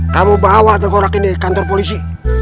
kamu bawa tenggorak ini ke kantor polisi